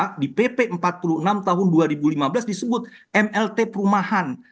karena di pp empat puluh enam tahun dua ribu lima belas disebut mlt perumahan